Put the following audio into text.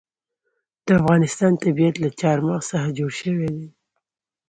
د افغانستان طبیعت له چار مغز څخه جوړ شوی دی.